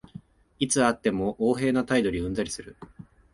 いつ会っても横柄な態度にうんざりする